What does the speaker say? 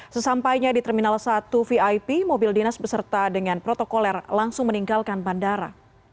sesampainya di terminal satu vip mobil dinas beserta dengan protokoler langsung meninggalkan bandara